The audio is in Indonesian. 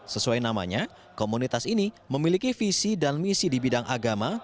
sesuai namanya komunitas ini memiliki visi dan misi di bidang agama